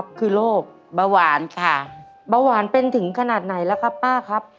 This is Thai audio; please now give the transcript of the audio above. เบาหวานเป็นถึงขนาดไหนแล้วครับป้าครับ